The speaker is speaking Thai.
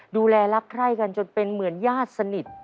ดูแลรักใคร่กันจนเป็นเหมือนญาติสนิท